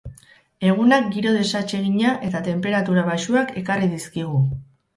Egunak giro desatsegina eta tenperatura baxuak ekarri dizkigu.